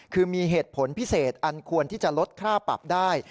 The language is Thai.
คือมีเหตุผลพิเศษอันควรที่จะลดค่าปรับได้